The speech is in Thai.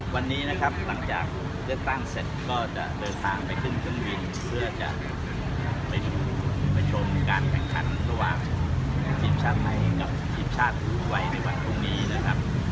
วันนี้นะครับหลังจากเลือกตั้งเสร็จก็จะเดินทางไปขึ้นเครื่องบินเพื่อจะไปชมการแข่งขันระหว่างทีมชาติไทยกับทีมชาติรุ่นใหม่ในวันพรุ่งนี้นะครับ